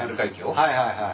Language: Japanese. はいはいはい。